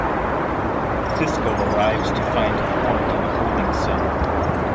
Sisko arrives to find Quark in a holding cell.